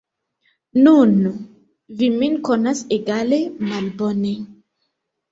Nun, vi min konas egale malbone.